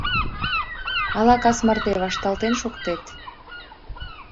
Ала кас марте вашталтен шуктет.